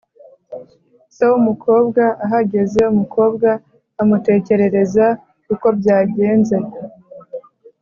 se w’umukobwa ahageze, umukobwa amutekerereza uko byagenze,